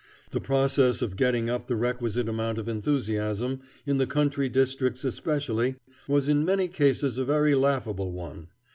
The process of getting up the requisite amount of enthusiasm, in the country districts especially, was in many cases a very laughable one.